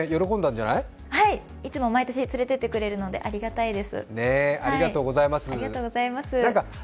はい、いつも毎年連れてってくれるのでありがたいです。